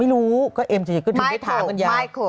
แล้วอะไร